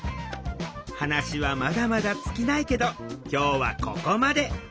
話はまだまだ尽きないけど今日はここまで。